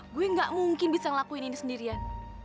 gue gak mungkin bisa ngelakuin ini sendirian